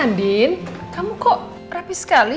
andin kamu kok rapi sekali